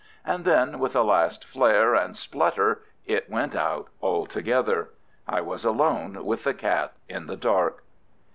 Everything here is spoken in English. And then, with a last flare and splutter it went out altogether. I was alone with the cat in the dark!